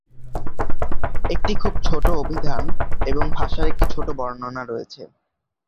একটি খুব ছোট অভিধান, এবং ভাষার একটি ছোট বর্ণনা রয়েছে।